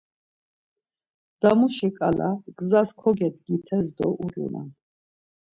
Damuşi ǩala gzas kogedgites do ulunan.